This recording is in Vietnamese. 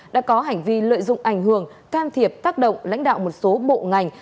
đã có hành vi lợi dụng ảnh hưởng can thiệp tác động lãnh đạo một số bộ ngành